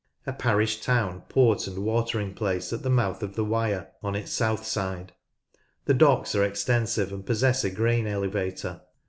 A parish, town, port, and watering place at the mouth of the Wyre on its south side. The docks are extensive and possess a grain elevator.